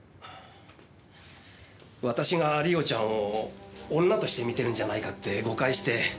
私が梨緒ちゃんを女として見ているんじゃないかって誤解して。